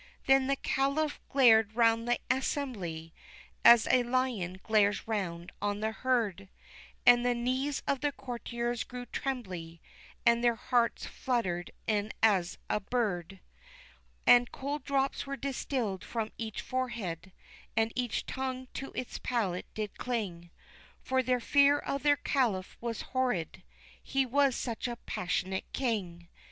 Then the Caliph glared round the assembly, as a lion glares round on the herd, And the knees of the courtiers grew trembly, and their hearts fluttered e'en as a bird; And cold drops were distilled from each forehead, and each tongue to its palate did cling, For their fear of their Caliph was horrid he was such a passionate king!